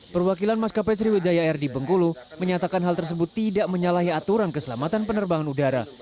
perwakilan maskapai sriwijaya air di bengkulu menyatakan hal tersebut tidak menyalahi aturan keselamatan penerbangan udara